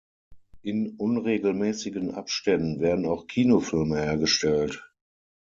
In unregelmäßigen Abständen werden auch Kinofilme hergestellt.